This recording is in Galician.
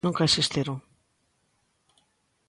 Nunca existiron.